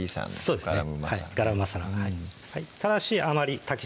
そうですね